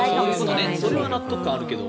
それは納得感あるけど。